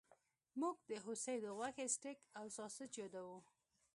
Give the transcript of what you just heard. موږ د هوسۍ د غوښې سټیک او ساسج یادوو